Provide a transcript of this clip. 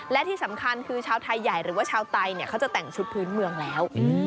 และที่สำคัญคือชาวไทยใหญ่หรือว่าชาวไตเนี่ยเขาจะแต่งชุดพื้นเมืองแล้ว